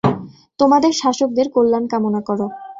তোমাদের শাসকদের কল্যাণ কামনা কর।